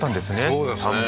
そうですね